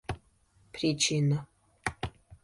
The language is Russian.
причина